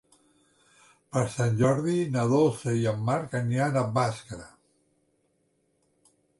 Per Sant Jordi na Dolça i en Marc aniran a Bàscara.